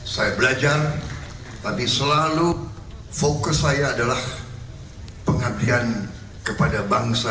saya belajar tapi selalu fokus saya adalah pengabdian kepada bangsa